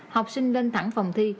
học sinh lên thẳng phòng thi